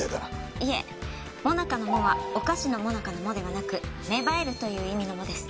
いえ萌奈佳の「モ」はお菓子の最中の「モ」ではなく芽生えるという意味の「モ」です。